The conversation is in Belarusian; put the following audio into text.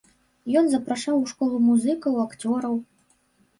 Ён запрашаў у школу музыкаў, акцёраў.